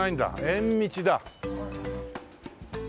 「縁道」だ。